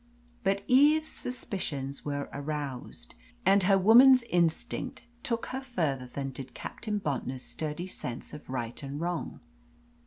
But Eve's suspicions were aroused, and her woman's instinct took her further than did Captain Bontnor's sturdy sense of right and wrong.